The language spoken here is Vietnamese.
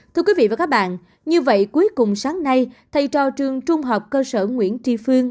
thưa quý vị và các bạn như vậy cuối cùng sáng nay thầy trò trường trung học cơ sở nguyễn tri phương